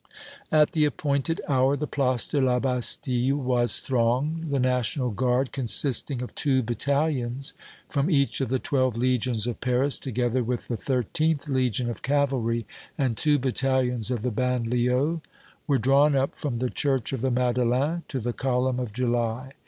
At the appointed hour, the Place de la Bastille was thronged. The National Guard, consisting of two battalions from each of the twelve legions of Paris, together with the Thirteenth Legion of cavalry and two battalions of the Banlieu, were drawn up from the Church of the Madeleine to the Column of July.